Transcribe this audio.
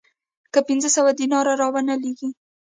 که پنځه سوه دیناره را ونه لېږې